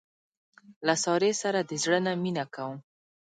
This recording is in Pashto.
له سارې سره د زړه نه مینه کوم.